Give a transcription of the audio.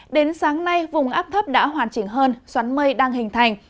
đến sáng nay vùng áp thấp đã hoàn chỉnh hơn xoắn mây đang hình thành